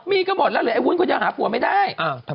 มีก็หมดแล้วหรือไอ้วุ้นก็ยังหาผัวไม่ได้